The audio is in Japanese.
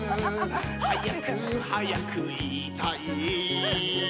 「早く早く言いたい」